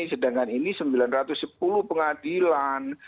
sedangkan ini sembilan ratus sepuluh pengadilan